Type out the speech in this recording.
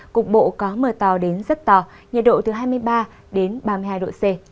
cục bộ có mưa to đến rất to nhiệt độ từ hai mươi ba đến ba mươi hai độ c